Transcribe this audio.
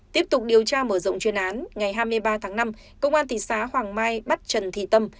tiếp tục điều tra mở rộng chuyên án ngày hai mươi ba tháng năm công an thị xã hoàng mai bắt trần thị tâm